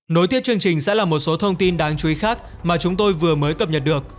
nối tiếp chương trình sẽ là một số thông tin đáng chú ý khác mà chúng tôi vừa mới cập nhật được